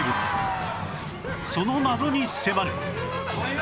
その謎に迫る！